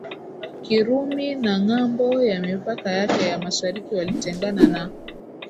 Kirumi na ngambo ya mipaka yake ya mashariki walitengana na